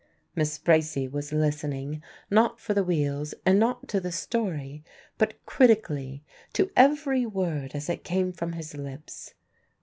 Miss Bracy was listening not for the wheels and not to the story, but critically to every word as it came from his lips.